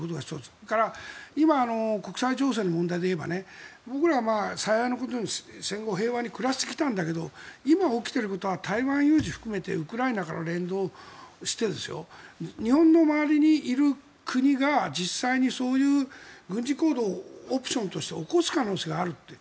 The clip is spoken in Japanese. それから、今国際情勢の問題で言えば僕ら、幸いなことに戦後、平和に暮らしてきたんだけど今、起きていることは台湾有事含めてウクライナから連動して日本の周りにいる国が実際にそういう軍事行動をオプションとして起こす可能性があるって。